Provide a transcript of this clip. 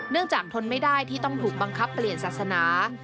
จากทนไม่ได้ที่ต้องถูกบังคับเปลี่ยนศาสนา